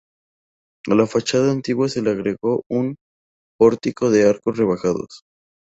A la fachada antigua se le agregó un pórtico de arcos rebajados.